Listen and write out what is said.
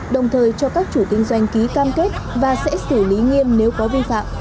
đồng thời cho các chủ kinh doanh ký cam kết và sẽ xử lý nghiêm nếu có vi phạm